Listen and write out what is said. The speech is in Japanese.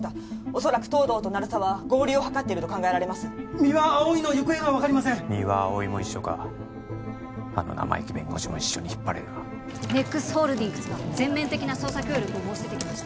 恐らく東堂と鳴沢は合流を図っていると考えられます三輪碧の行方が分かりません三輪碧も一緒かあの生意気弁護士も一緒に引っ張れるな・ＮＥＸホールディングスが全面的な捜査協力を申し出てきました